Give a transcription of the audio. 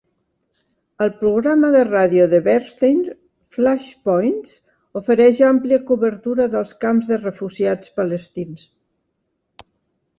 El programa de ràdio de Bernstein, Flashpoints, ofereix àmplia cobertura dels camps de refugiats palestins.